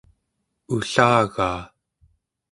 ullagaa